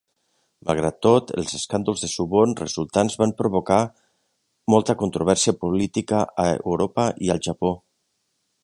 Malgrat tot, els escàndols de suborn resultants van provocar molta controvèrsia política a Europa i al Japó.